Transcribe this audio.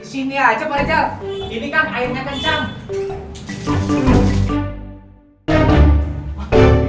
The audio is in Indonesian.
disini aja pak rijal ini kan airnya kencang